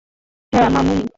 হ্যাঁ, মামুনি।